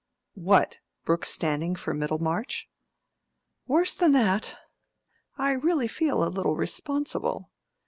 "What? Brooke standing for Middlemarch?" "Worse than that. I really feel a little responsible.